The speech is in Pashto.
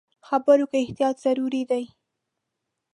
خبرو کې احتیاط ضروري دی.